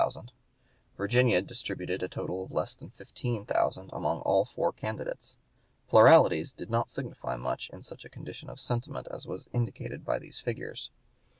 Virginia distributed (p. 173) a total of less than 15,000 among all four candidates. Pluralities did not signify much in such a condition of sentiment as was indicated by these figures.